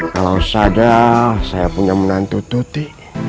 kalau sadar saya punya menantu tuti